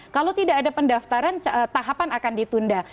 kalau tidak ada pendaftaran tahapan akan ditunda